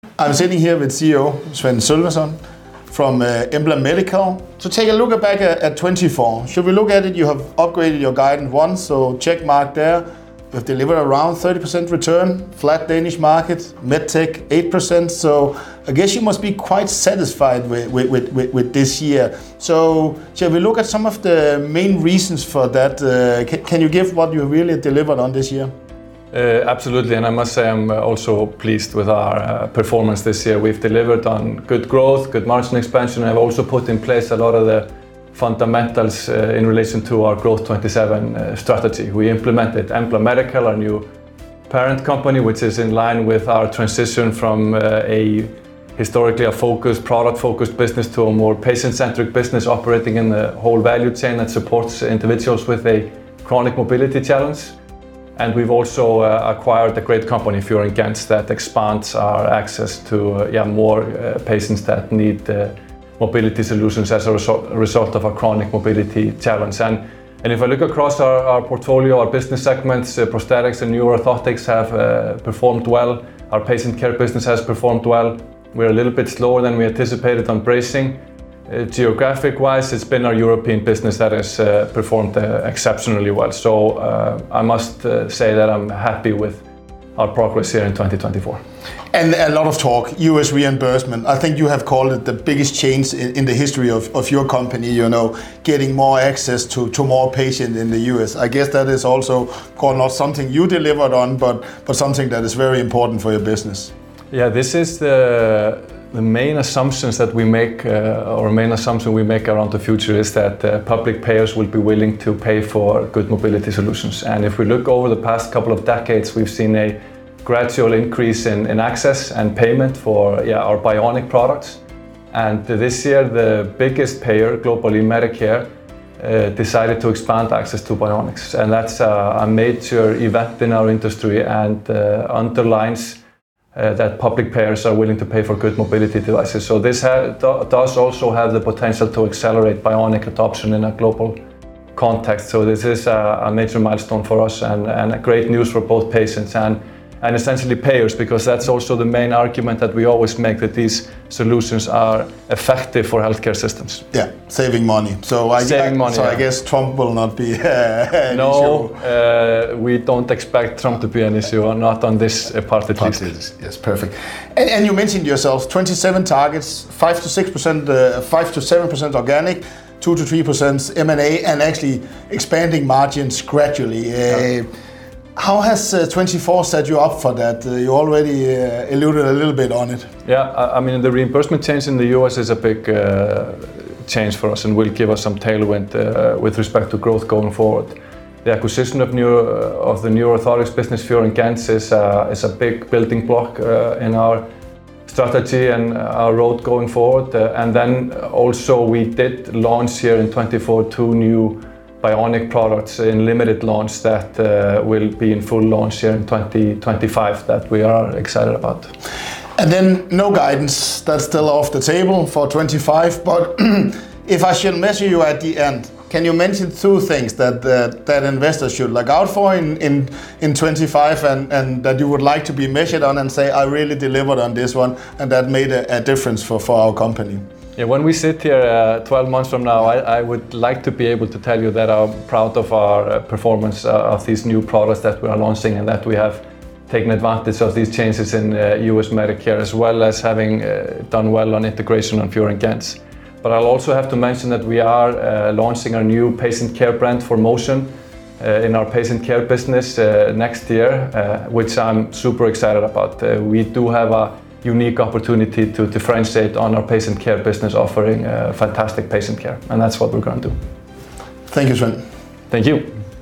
I'm sitting here with CEO Sveinn Sölvason from Embla Medical. So, take a look back at 24. Should we look at it? You have upgraded your guidance once, so check mark there. You have delivered around 30% return, flat Danish market, MedTech 8%. So, I guess you must be quite satisfied with this year. So, shall we look at some of the main reasons for that? Can you give what you really delivered on this year? Absolutely, and I must say I'm also pleased with our performance this year. We've delivered on good growth, good margin expansion, and have also put in place a lot of the fundamentals in relation to our Growth '27 strategy. We implemented Embla Medical, our new parent company, which is in line with our transition from a historically focused, product-focused business to a more patient-centric business operating in the whole value chain that supports individuals with a chronic mobility challenge. And we've also acquired a great company, Fior & Gentz, that expands our access to more patients that need mobility solutions as a result of our chronic mobility challenge. And if I look across our portfolio, our business segments, prosthetics and neuro-orthotics have performed well. Our patient care business has performed well. We are a little bit slower than we anticipated on bracing. Geographic-wise, it's been our European business that has performed exceptionally well. So, I must say that I'm happy with our progress here in 2024. A lot of talk, U.S. reimbursement. I think you have called it the biggest change in the history of your company, getting more access to more patients in the U.S. I guess that is also not something you delivered on, but something that is very important for your business. Yeah, this is the main assumptions that we make, or main assumption we make around the future, is that public payers will be willing to pay for good mobility solutions. And if we look over the past couple of decades, we've seen a gradual increase in access and payment for our bionic products. And this year, the biggest payer globally, Medicare, decided to expand access to bionics. And that's a major event in our industry and underlines that public payers are willing to pay for good mobility devices. So, this does also have the potential to accelerate bionic adoption in a global context. So, this is a major milestone for us and great news for both patients and essentially payers, because that's also the main argument that we always make, that these solutions are effective for healthcare systems. Yeah, saving money. So, I guess Trump will not be an issue. No, we don't expect Trump to be an issue, not on this part of this. Yes, perfect. And you mentioned yourself 27 targets, 5%-6%, 5%-7% organic, 2%-3% M&A, and actually expanding margins gradually. How has 2024 set you up for that? You already alluded a little bit on it. Yeah, I mean, the reimbursement change in the U.S. is a big change for us and will give us some tailwind with respect to growth going forward. The acquisition of the new orthotics business, Fior & Gentz, is a big building block in our strategy and our road going forward. And then also we did launch here in 2024 two new bionic products in limited launch that will be in full launch here in 2025 that we are excited about. And then no guidance, that's still off the table for 25. But if I should measure you at the end, can you mention two things that investors should look out for in 25 and that you would like to be measured on and say, "I really delivered on this one and that made a difference for our company"? Yeah, when we sit here 12 months from now, I would like to be able to tell you that I'm proud of our performance of these new products that we are launching and that we have taken advantage of these changes in U.S. Medicare, as well as having done well on integration on Fior & Gentz. But I'll also have to mention that we are launching our new patient care brand ForMotion in our patient care business next year, which I'm super excited about. We do have a unique opportunity to differentiate on our patient care business, offering fantastic patient care. And that's what we're going to do. Thank you, Sveinn. Thank you.